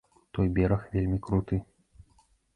Той бераг вельмі круты.